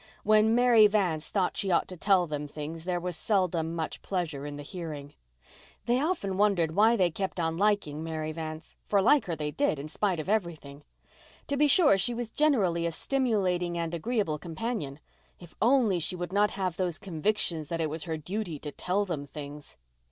When Mary Vance thought she ought to tell them things there was seldom much pleasure in the hearing. They often wondered why they kept on liking Mary Vance—for like her they did, in spite of everything. To be sure, she was generally a stimulating and agreeable companion. If only she would not have those convictions that it was her duty to tell them things!